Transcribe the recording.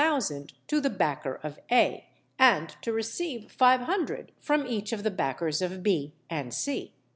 _ to the backer of A, and to receive 500_l._ from each of the backers of B and C.